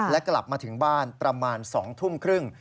และกลับมาถึงบ้านประมาณ๒ทุ่มครึ่ง